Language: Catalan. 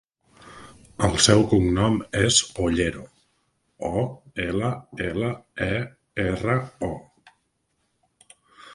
El seu cognom és Ollero: o, ela, ela, e, erra, o.